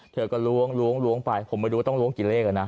เธอก็ล้วงไปผมไปดูต้องล้วงกี่เลขล่ะนะ